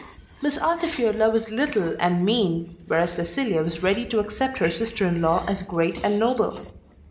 Miss Altifiorla was little and mean, whereas Cecilia was ready to accept her sister in law as great and noble.